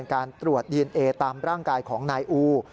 การตรวจดีเอนเอตามร่างกายของนายอู